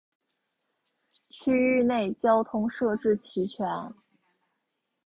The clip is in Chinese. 区域内交通设置齐全。